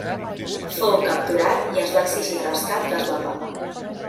Fou capturat i es va exigir rescat que es va pagar.